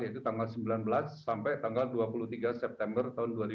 yaitu tanggal sembilan belas sampai tanggal dua puluh tiga september tahun dua ribu dua puluh